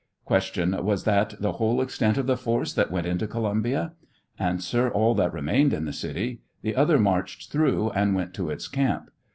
Q. Was that the whole extent of the force that went into Columbia ? A. All that remained in the city ; the other marched through and went to its camp.